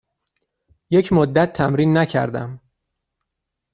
یک مدت تمرین نکردم.